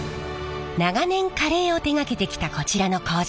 長年カレーを手がけてきたこちらの工場。